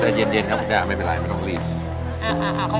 ใจเย็นครับย่าไม่เป็นไรไม่ต้องรีบ